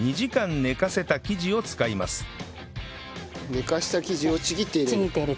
寝かせた生地をちぎって入れる？